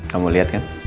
kamu lihat kan